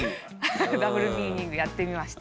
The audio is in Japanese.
ダブルミーニングやってみました。